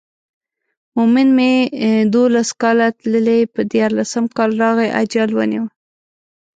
مومن مې دولس کاله تللی پر دیارلسم کال راغی اجل ونیو.